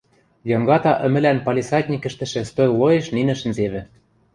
Йонгата ӹмӹлӓн палисадникӹштӹшӹ стӧл лоэш нинӹ шӹнзевӹ.